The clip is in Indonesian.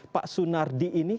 pak sunardi ini